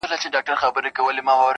چوپ دی نغمه زار د آدم خان او درخانیو-